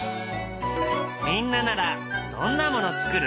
みんなならどんなもの作る？